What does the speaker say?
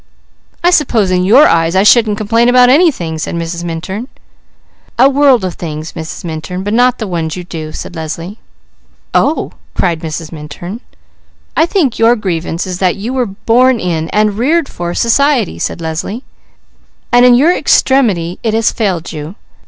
"I suppose, in your eyes, I shouldn't complain about anything," said Mrs. Minturn. "A world of things, Mrs. Minturn, but not the ones you do," said Leslie. "Oh!" cried Mrs. Minturn. "I think your grievance is that you were born in, and reared for, society," said Leslie, "and in your extremity it has failed you.